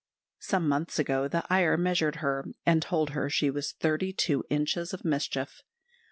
Some months ago, the Iyer measured her, and told her she was thirty two inches of mischief.